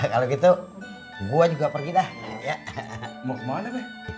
kalau gitu gue juga pergi dah ya